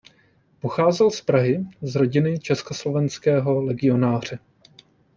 Pocházel z Prahy z rodiny československého legionáře.